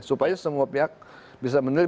supaya semua pihak bisa menilai